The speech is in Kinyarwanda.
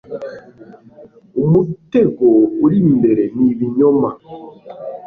umutego uri imbere ni ibinyoma